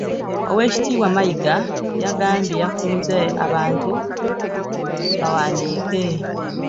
Oweekitiibwa Mayiga yagambye yakunze abantu bawandiike